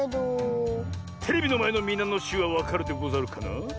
テレビのまえのみなのしゅうはわかるでござるかな？